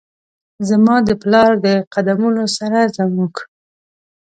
زما د پلار د قد مونو سره زموږ،